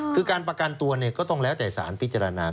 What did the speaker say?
คือการประกันตัวก็ต้องแล้วแต่สารพิจารณา